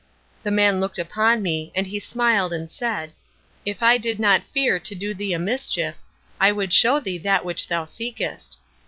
The man looked upon me, and he smiled and said, 'If I did not fear to do thee a mischief, I would show thee that which thou seekest.'